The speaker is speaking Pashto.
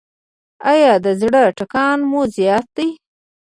ایا د زړه ټکان مو زیات دی؟